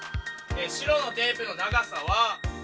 白のテープの長さは。